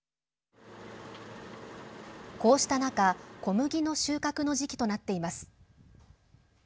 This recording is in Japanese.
こうした中、小麦の収穫の時期となっています。